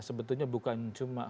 sebetulnya bukan cuma